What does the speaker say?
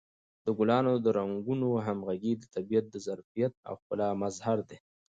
د ګلانو د رنګونو همغږي د طبیعت د ظرافت او ښکلا مظهر دی.